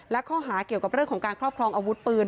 และข้อหาเกี่ยวกับเรื่องของการครอบครองอาวุธปืน